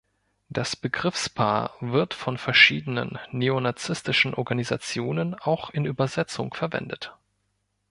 Das Begriffspaar wird von verschiedenen neonazistischen Organisationen auch in Übersetzung verwendet.